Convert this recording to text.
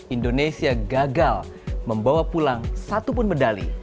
indonesia gagal membawa pulang satu pun medali